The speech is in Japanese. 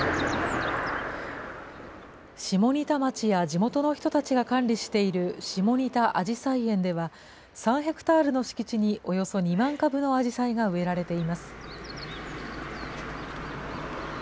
下仁田町や地元の人たちが管理している下仁田あじさい園では、３ヘクタールの敷地に、およそ２万株のアジサイが植えられています。